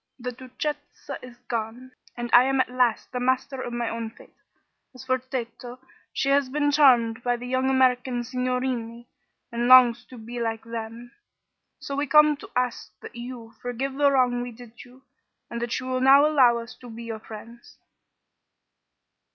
The Duchessa is gone, and at last I am the master of my own fate. As for Tato, she has been charmed by the young American signorini, and longs to be like them. So we come to ask that you forgive the wrong we did you, and that you will now allow us to be your friends."